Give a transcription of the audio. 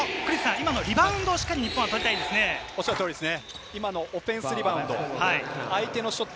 今のリバウンドをしっかりと日本は取っていきたいですね。